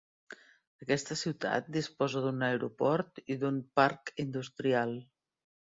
Aquesta ciutat disposa d'un aeroport i d'un parc industrial.